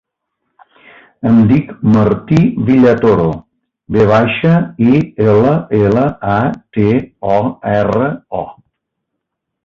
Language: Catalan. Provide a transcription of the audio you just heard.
Em dic Martí Villatoro: ve baixa, i, ela, ela, a, te, o, erra, o.